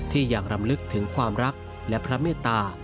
ยังรำลึกถึงความรักและพระเมตตา